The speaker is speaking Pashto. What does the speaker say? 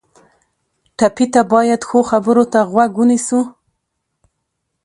ټپي ته باید ښو خبرو ته غوږ ونیسو.